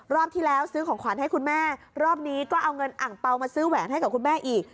ที่แล้วซื้อของขวัญให้คุณแม่รอบนี้ก็เอาเงินอังเปล่ามาซื้อแหวนให้กับคุณแม่อีก